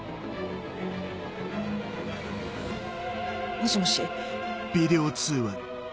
もしもし。